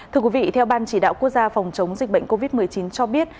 thưa quý vị theo ban chỉ đạo quốc gia phòng chống dịch bệnh covid một mươi chín cho biết